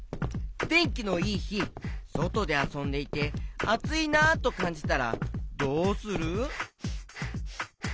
てんきのいいひそとであそんでいてあついなとかんじたらどうする？